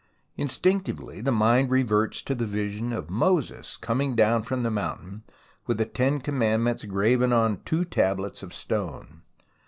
Instinctively the mind reverts to the vision of Moses coming down from the mountain, with the Ten Commandments graven on two tablets of stone.